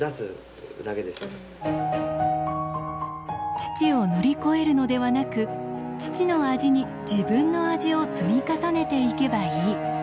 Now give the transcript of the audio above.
父を乗り越えるのではなく父の味に自分の味を積み重ねていけばいい。